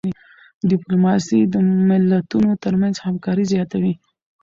ډيپلوماسي د ملتونو ترمنځ همکاري زیاتوي.